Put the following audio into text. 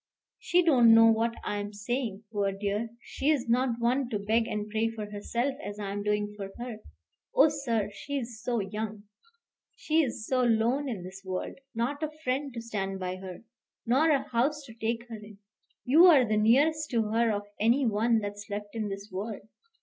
She don't know what I'm saying, poor dear. She's not one to beg and pray for herself, as I'm doing for her. Oh, sir, she's so young! She's so lone in this world, not a friend to stand by her, nor a house to take her in! You are the nearest to her of any one that's left in this world.